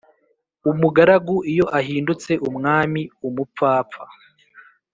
Umugaragu iyo ahindutse umwami umupfapfa